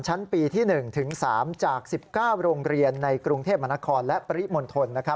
ชั้นปีที่๑ถึง๓จาก๑๙โรงเรียนในกรุงเทพมหานครและปริมณฑล